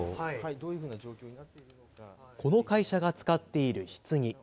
この会社が使っているひつぎ。